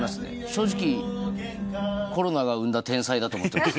正直コロナが生んだ天才だと思ってます。